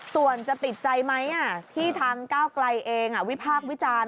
ส่วนจะติดใจไหมที่ทางก้าวไกลเองวิพากษ์วิจารณ์